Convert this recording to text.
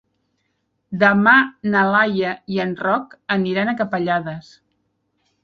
Demà na Laia i en Roc aniran a Capellades.